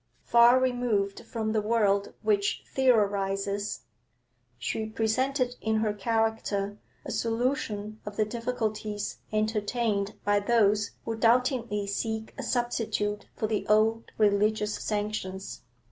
Far removed from the world which theorises, she presented in her character a solution of the difficulties entertained by those who doubtingly seek a substitute for the old religious sanctions.